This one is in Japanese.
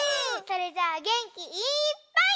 それじゃあげんきいっぱい。